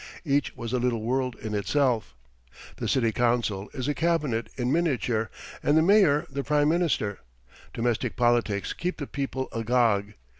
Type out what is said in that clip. Each was a little world in itself. The City Council is a Cabinet in miniature and the Mayor the Prime Minister. Domestic politics keep the people agog.